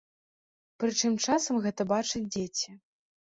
Прычым часам гэта бачаць дзеці.